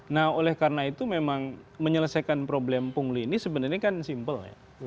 nah oleh karena itu memang menyelesaikan problem pungli ini sebenarnya kan simpel ya